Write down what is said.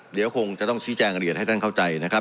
เดี๋ยวคงจะต้องชี้แจงเรียนให้ท่านเข้าใจนะครับ